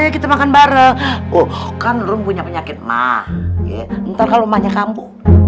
kita makan bareng bukan rumpunya penyakit mah ntar kalau banyak kamu